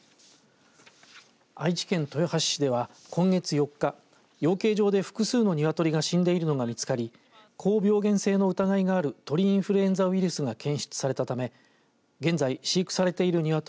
愛知県豊橋市では今月４日養鶏場で複数の鶏が死んでいるのが見つかり高病原性の疑いがある鳥インフルエンザウイルスが検出されたため現在、飼育されている鶏